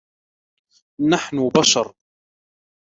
نحن بشر.